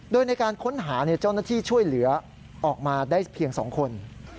โดยในการค้นหาเจ้าหน้าที่ช่วยเหลือออกมาได้เพียง๒คน